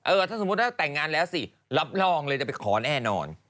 ถ้าสมมุติถ้าแต่งงานแล้วสิรับรองเลยจะไปขอแน่นอน